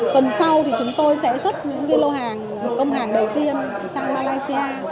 tuần sau thì chúng tôi sẽ xuất những lô hàng công hàng đầu tiên sang malaysia